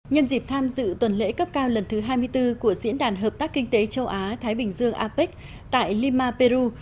nhân dịp tham dự tuần lễ cấp cao lần thứ hai mươi bốn của diễn đàn hợp tác kinh tế châu á thái bình dương apec tại lima peru